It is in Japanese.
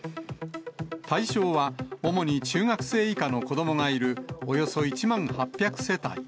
対象は、主に中学生以下の子どもがいる、およそ１万８００世帯。